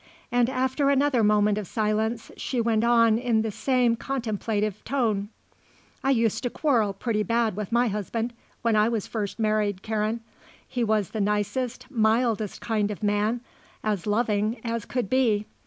And, after another moment of silence, she went on in the same contemplative tone: "I used to quarrel pretty bad with my husband when I was first married, Karen. He was the nicest, mildest kind of man, as loving as could be.